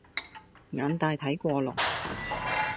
眼大睇過龍